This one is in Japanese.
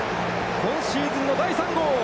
今シーズンの第３号！